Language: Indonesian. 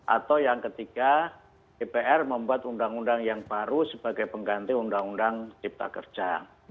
atau yang ketiga dpr membuat undang undang yang baru sebagai pengganti undang undang cipta kerja